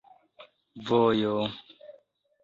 vojo